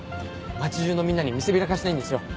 街中のみんなに見せびらかしたいんですよ。